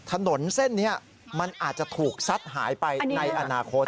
ถนนเส้นนี้มันอาจจะถูกซัดหายไปในอนาคต